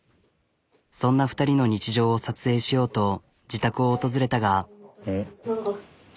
そんな２人の日常を撮影しようと自宅を訪れたが。